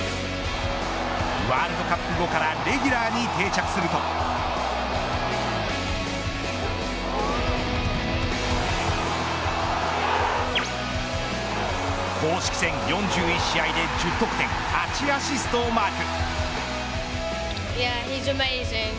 ワールドカップ後からレギュラーに定着すると公式戦４１試合で１０得点８アシストをマーク。